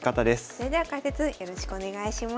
それでは解説よろしくお願いします。